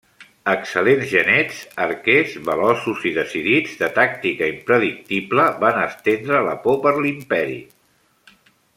Excel·lents genets arquers, veloços i decidits, de tàctica impredictible, van estendre la por per l'imperi.